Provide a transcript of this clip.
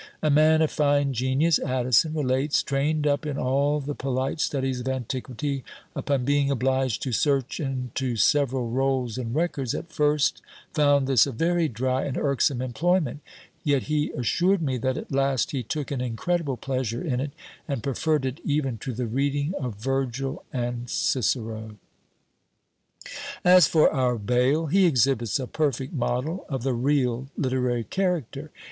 A man of fine genius, Addison relates, trained up in all the polite studies of antiquity, upon being obliged to search into several rolls and records, at first found this a very dry and irksome employment; yet he assured me, that at last he took an incredible pleasure in it, and preferred it even to the reading of Virgil and Cicero. As for our Bayle, he exhibits a perfect model of the real literary character.